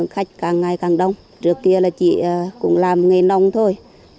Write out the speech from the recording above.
khách đến với a lưới